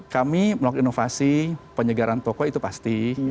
kami melakukan inovasi penyegaran toko itu pasti